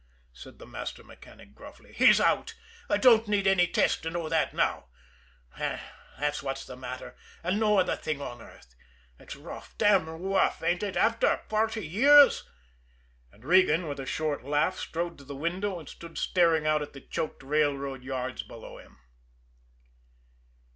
said the master mechanic gruffly. "He's out I don't need any test to know that now. That's what's the matter, and no other thing on earth. It's rough, damn rough, ain't it after forty years?" and Regan, with a short laugh, strode to the window and stood staring out at the choked railroad yards below him.